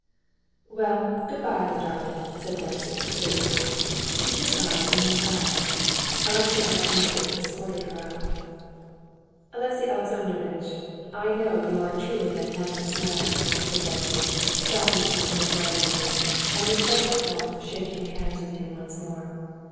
"Well, good bye, my darling," said Betsy, getting up. She kissed Anna, and went out. Alexey Alexandrovitch escorted her out. "Alexey Alexandrovitch! I know you are a truly magnanimous man," said Betsy, stopping in the little drawing room, and with special warmth shaking hands with him once more.